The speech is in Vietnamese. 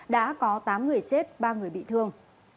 đã có tám người chết ba người bị thương